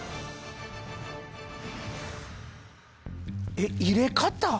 えっ入れ方？